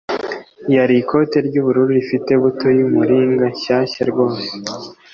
yari ikoti ry'ubururu rifite buto y'umuringa, shyashya rwose.